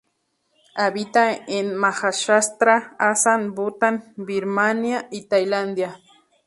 Habita en Maharashtra, Assam, Bután, Birmania y Tailandia.